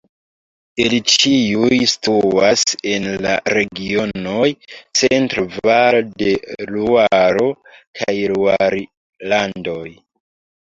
Ili ĉiuj situas en la regionoj Centro-Valo de Luaro kaj Luarlandoj.